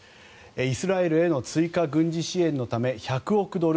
イスラエルへの追加軍事支援のため１００億ドル